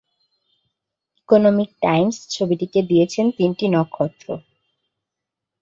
Economic Times ছবিটিকে দিয়েছেন তিনটি নক্ষত্র।